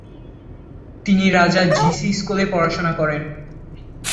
তিনি Raja G C স্কুলে পড়াশোনা করেন।